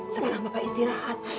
sekarang bapak istirahat